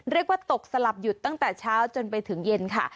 เรียกว่าตกสลับหยุดตั้งแต่เช้าจนไปถึงเย็นค่ะ